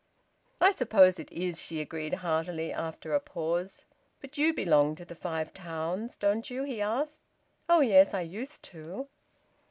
"I suppose it is!" she agreed heartily, after a pause. "But you belong to the Five Towns, don't you?" he asked. "Oh yes! I used to."